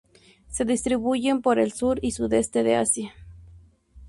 Se distribuyen por el sur y sudeste de Asia.